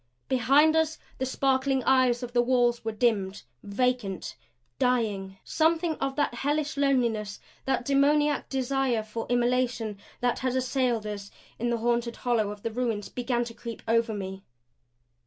Behind us the sparkling eyes of the wall were dimmed, vacant dying. Something of that hellish loneliness, that demoniac desire for immolation that had assailed us in the haunted hollow of the ruins began to creep over me.